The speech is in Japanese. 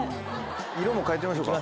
色も変えてみましょうか？